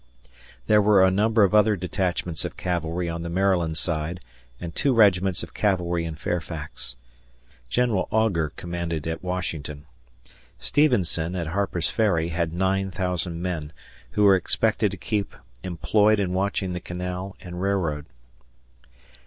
There were a number of other detachments of cavalry on the Maryland side, and two regiments of cavalry in Fairfax. General Augur commanded at Washington. Stevenson, at Harper's Ferry, had nine thousand men, who were expected to keep employed in watching the canal and railroad.